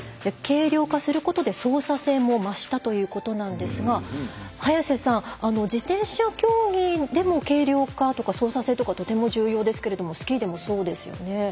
軽量化することで、操作性も増したということなんですが早瀬さん、自転車競技でも軽量化とか操作性はとても重要ですけれどもスキーでも、そうですよね。